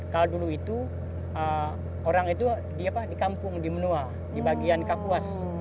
kalau dulu itu orang itu di kampung di menua di bagian kapuas